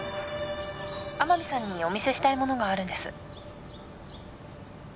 ☎天海さんにお見せしたいものがあるんです